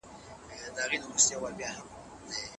د سړي سر تولید زیاتوالی مستقیمه ګټه لري.